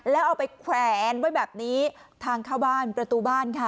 แล้วเอาไปแขวนไว้แบบนี้ทางเข้าบ้านประตูบ้านค่ะ